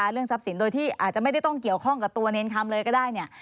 เรื่องทรัพย์สินโดยที่อาจจะไม่ได้ต้องเกี่ยวข้องกับตัวเนรคำเลยก็ได้เนี่ย